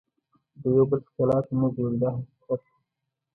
د یو بل ښکلا ته نه ګوري دا حقیقت دی.